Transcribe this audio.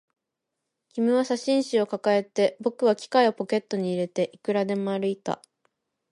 君は写真集を抱えて、僕は機械をポケットに入れて、いくらでも歩いた